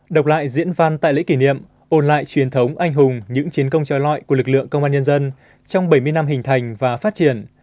đọc lại diễn văn tại lễ kỷ niệm ồn lại truyền thống anh hùng những chiến công trò lọi của lực lượng công an nhân dân trong bảy mươi năm hình thành và phát triển